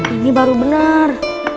ini baru benar